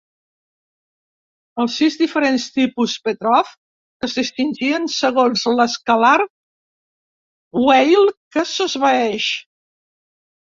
Els sis diferents tipus Petrov es distingeixen segons l'escalar Weyl que s'esvaeix.